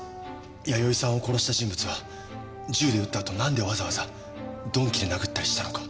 弥生さんを殺した人物は銃で撃ったあとなんでわざわざ鈍器で殴ったりしたのか。